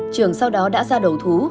trường sau đó đã ra đầu thú